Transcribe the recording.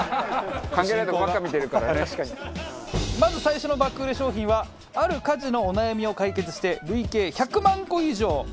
まず最初の爆売れ商品はある家事のお悩みを解決して累計１００万個以上。